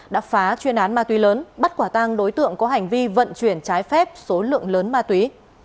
đã phá chuyên án ma túy lớn bắt quả tang đối tượng có hành vi vận chuyển trái phép số lượng lớn ma túy